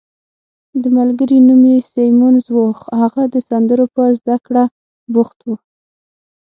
د ملګري نوم یې سیمونز وو، هغه د سندرو په زده کړه بوخت وو.